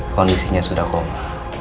kondisinya sudah koma